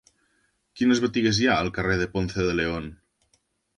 Quines botigues hi ha al carrer de Ponce de León?